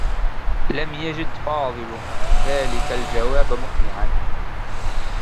لم يجد فاضل ذلك الجواب مقنعا.